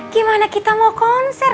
gimana kita mau konser